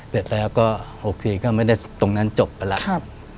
ดัดแล้วก็ออกเตรียมไม่ได้ตรงนั้นจบแล้ว